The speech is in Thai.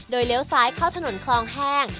เลี้ยวซ้ายเข้าถนนคลองแห้ง